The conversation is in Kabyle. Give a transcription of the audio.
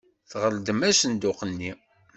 Tɣeldem asenduq-nni.